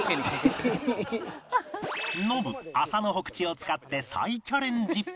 ノブ麻の火口を使って再チャレンジ